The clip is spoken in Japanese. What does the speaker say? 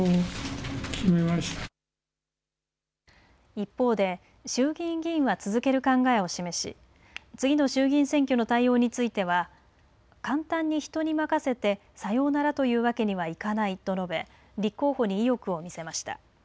一方で衆議院議員は続ける考えを示し次の衆議院選挙の対応については簡単に人に任せて、さようならというわけにはいかないと述べ立候補に意欲を見せました。